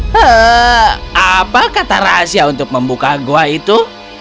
hah apa kata rahasia untuk membuka gua itu